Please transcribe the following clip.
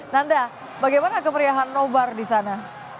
nanda bagaimana kemeriahan nobar di sana